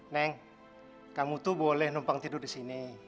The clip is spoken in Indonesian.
neng kamu tuh boleh numpang tidur di sini